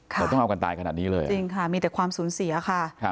แต่ต้องเอากันตายขนาดนี้เลยจริงค่ะมีแต่ความสูญเสียค่ะ